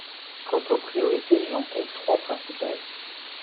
Quant aux priorités, j’en compte trois principales.